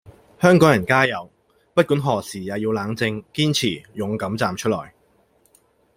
香港人加油！不管何時也要冷靜、堅持、勇敢站出來